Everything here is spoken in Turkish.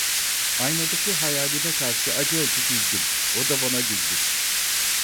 Aynadaki hayalime karşı acı acı güldüm, o da bana güldü.